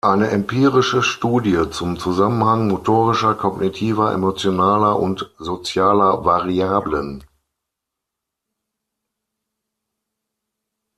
Eine empirische Studie zum Zusammenhang motorischer, kognitiver, emotionaler und sozialer Variablen“.